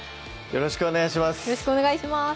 よろしくお願いします